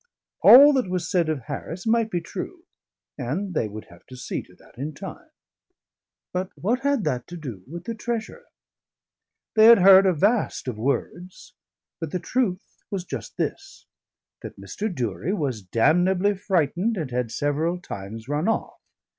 All that was said of Harris might be true, and they would have to see to that in time. But what had that to do with the treasure? They had heard a vast of words; but the truth was just this, that Mr. Durie was damnably frightened and had several times run off.